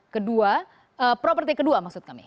kedua properti kedua maksud kami